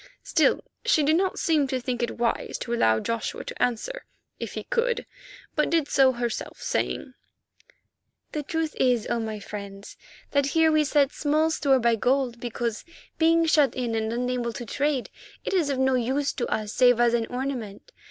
Still, she did not seem to think it wise to allow Joshua to answer—if he could—but did so herself, saying: "The truth is, O my friends, that here we set small store by gold because, being shut in and unable to trade, it is of no use to us save as an ornament.